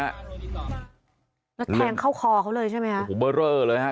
แล้วแทงเข้าคอเขาเลยใช่มั้ยครับ